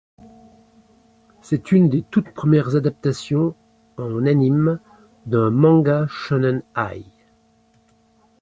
C'est une des toutes premières adaptations en anime d'un manga shōnen-ai.